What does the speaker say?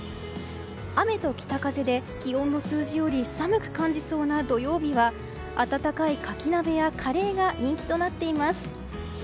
雨と北風で気温の数字より寒く感じそうな土曜日は温かいカキ鍋やカレーが人気となっています。